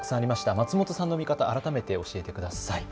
松本さんの見方、改めて教えてください。